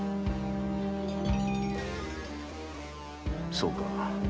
そうか。